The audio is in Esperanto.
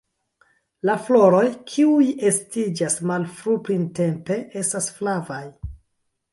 La floroj, kiuj estiĝas malfru-printempe, estas flavaj.